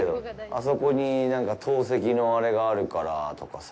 あそこに投石のあれがあるからとかさ